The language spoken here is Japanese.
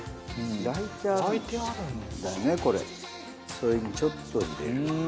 それにちょっと入れる。